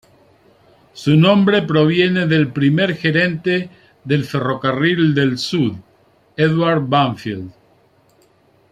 Su nombre proviene del primer gerente del Ferrocarril del Sud, Edward Banfield.